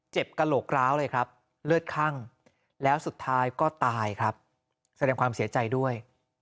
กระโหลกร้าวเลยครับเลือดคั่งแล้วสุดท้ายก็ตายครับแสดงความเสียใจด้วย